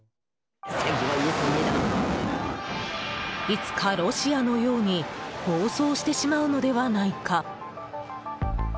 いつかロシアのように暴走してしまうのではないか。